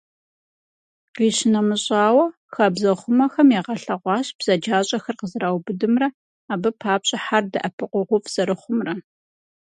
Къищынэмыщӏауэ, хабзэхъумэхэм ягъэлъэгъуащ бзаджащӏэхэр къызэраубыдымрэ, абы папщӏэ хьэр дэӏэпыкъуэгъуфӏ зэрыхъумрэ.